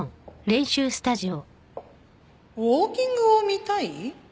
ウォーキングを見たい？